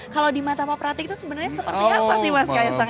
kalau di mata pak pratik itu sebenarnya seperti apa sih mas kaisang